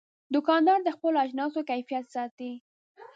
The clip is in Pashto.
دوکاندار د خپلو اجناسو کیفیت ساتي.